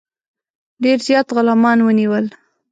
ډېر زیات غلامان ونیول.